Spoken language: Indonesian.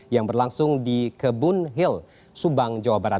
yang berlangsung di kebun hill subang jawa barat